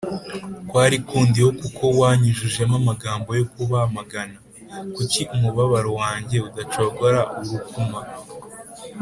kwari kundiho kuko wanyujujemo amagambo yo kubamagana h Kuki umubabaro wanjye udacogora i n uruguma